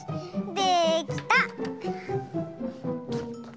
できた！